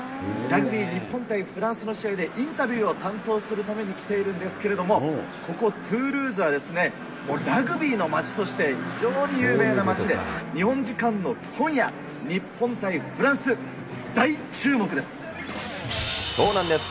ラグビー日本対フランスの試合でインタビューを担当するために来ているんですけれども、ここ、トゥールーズはですね、もうラグビーの街として非常に有名な街で、日本時間の今夜、そうなんです。